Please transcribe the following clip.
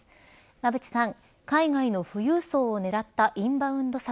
馬渕さん、海外の富裕層を狙ったインバウンド策